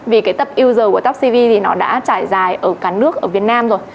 vì cái tập user của topcv thì nó đã trải dài ở cả nước ở việt nam rồi